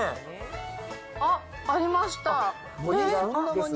あっ、ありました。